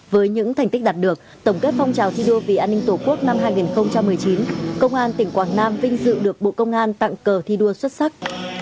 với những thành tích đạt được tổng kết phong trào thi đua vì an ninh tổ quốc năm hai nghìn một mươi chín công an tỉnh quảng nam vinh dự được bộ công an tặng cờ thi đua xuất sắc